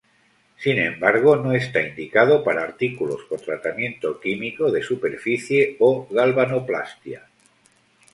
Sin embargo, no está indicado para artículos con tratamiento químico de superficie o galvanoplastia.